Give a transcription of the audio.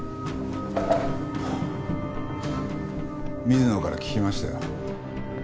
水野から聞きましたよ。